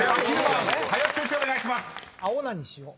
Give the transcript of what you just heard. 「青菜に塩」